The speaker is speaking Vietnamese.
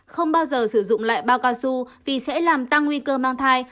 không bao giờ sử dụng lại bao cao su vì sẽ làm tăng nguy cơ mang thai